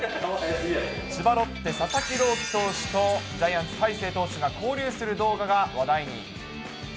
千葉ロッテ、佐々木朗希投手と、ジャイアンツ、大勢投手が交流する動画が話題に。